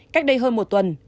cách đây hơn một tuần